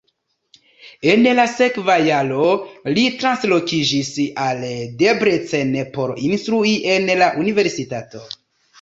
En la sekva jaro li translokiĝis al Debrecen por instrui en la universitato.